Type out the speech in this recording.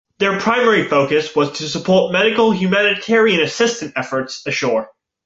Their primary focus was to support medical humanitarian assistance efforts ashore.